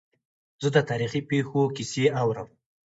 زه د تاریخي پېښو کیسې اورم.